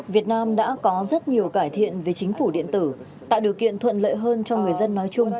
việt nam đã có rất nhiều cải thiện về chính phủ điện tử tạo điều kiện thuận lợi hơn cho người dân nói chung